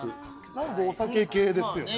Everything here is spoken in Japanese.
なんかお酒系ですよね。